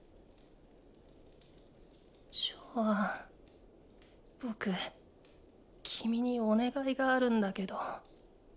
ジョアン僕君にお願いがあるんだけど。